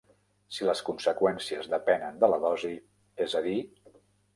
Si les conseqüències depenen de la dosi, és a dir.